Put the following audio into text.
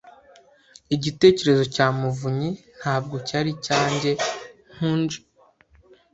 Igitekerezo cya Muvunnyi, ntabwo cyari cyanjye. Ntunshinje.